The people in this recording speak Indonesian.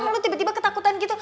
lu tiba tiba ketakutan gitu